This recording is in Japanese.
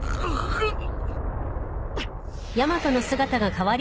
あっ！